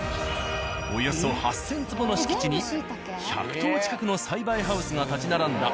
およそ８０００坪の敷地に１００棟近くの栽培ハウスが立ち並んだ